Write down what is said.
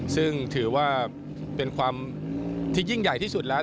ซึ่งถือว่าเป็นความที่ยิ่งใหญ่ที่สุดแล้ว